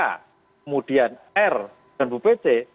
kemudian r dan bpc